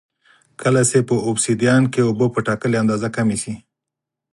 کله چې په اوبسیدیان کې اوبه په ټاکلې اندازه کمې شي